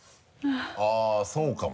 あぁそうかもね。